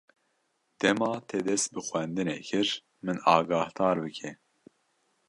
Dema te dest bi xwendinê kir, min agahdar bike.